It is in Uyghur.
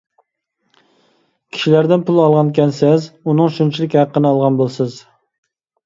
كىشىلەردىن پۇل ئالغانكەنسىز، ئۇنىڭ شۇنچىلىك ھەققىنى ئالغان بولىسىز.